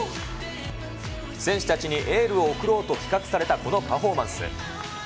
選手たちにエールを送ろうと企画されたこのパフォーマンス。